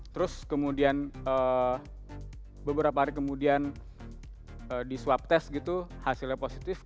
terus kemudian beberapa hari kemudian diswab tes gitu hasilnya positif